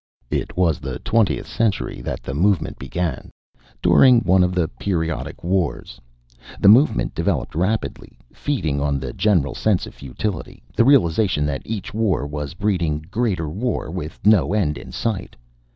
"It was in the twentieth century that the Movement began during one of the periodic wars. The Movement developed rapidly, feeding on the general sense of futility, the realization that each war was breeding greater war, with no end in sight.